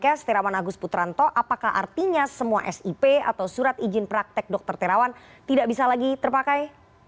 terima kasih terawan agus putranto apakah artinya semua sip atau surat ijin praktek dr terawan tidak bisa lagi terpakai